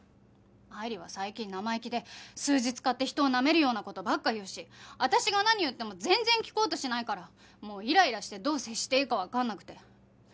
愛理は最近生意気で数字使って人をなめるような事ばっか言うし私が何言っても全然聞こうとしないからもうイライラしてどう接していいかわかんなくて。